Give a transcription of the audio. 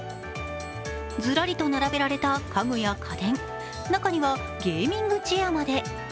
ずらりと並べられた家具や家電中にはゲーミングチェアまで。